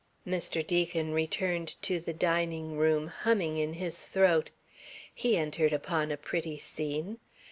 Mr. Deacon returned to the dining room, humming in his throat. He entered upon a pretty scene.